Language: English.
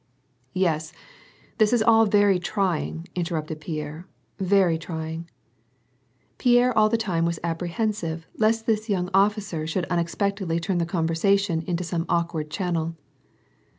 " Yes, this is all very trying," interrupted Pierre, —" very trying." Pierre all the time was apprehensive lest this young officer should unexpectedly turn the conversation into some awkward channel.